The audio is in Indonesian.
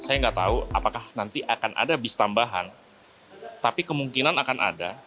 saya nggak tahu apakah nanti akan ada bis tambahan tapi kemungkinan akan ada